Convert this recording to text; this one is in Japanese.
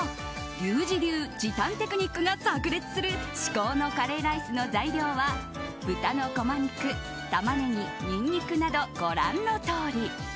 リュウジ流時短テクニックが炸裂する至高のカレーライスの材料は豚のこま肉、タマネギニンニクなど、ご覧のとおり。